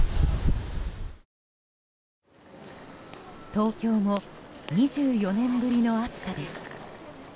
東京も２４年ぶりの暑さです。